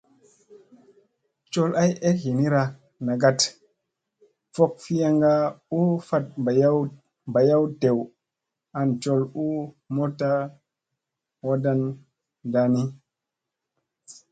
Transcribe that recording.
Col ay ek ɦinira nagat vok fianga u fat mbayaw dew an col u motta wadan nda ni.